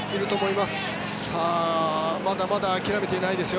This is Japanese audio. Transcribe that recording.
まだまだ諦めていないですよ。